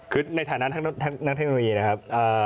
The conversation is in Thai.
คือในฐานะนักเทคโนโลยีนะครับ